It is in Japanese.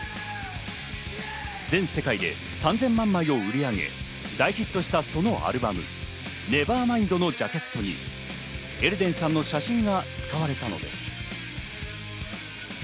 全世界で３０００万枚を売り上げ、大ヒットしたそのアルバム『ネヴァーマインド』のジャケットにエルデンさんの写真が使われたのです。